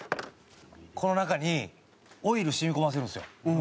この中にオイル染み込ませるんですよ。